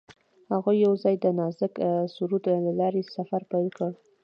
هغوی یوځای د نازک سرود له لارې سفر پیل کړ.